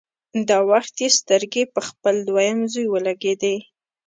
دا وخت يې سترګې په خپل دويم زوی ولګېدې.